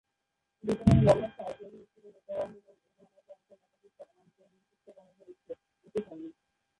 ব্রিটেনের নগ্ন সাইকেল মিছিল এর উদাহরণ এবং এ ধরনের চলাচল একাধিকবার আইন করে নিষিদ্ধ করা হয়েছে।